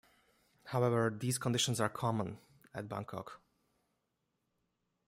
However, these conditions are common at Bangkok.